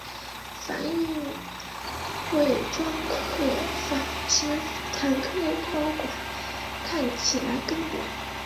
反影伪装可以使坦克炮管看起来更短。